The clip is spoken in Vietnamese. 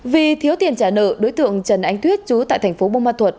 vì thiếu tiền trả nợ đối tượng trần anh tuyết chú tại thành phố bông ma thuột